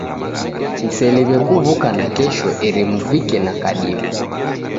Mseliw'e kuw'uka nakesho eri muvike na kadime.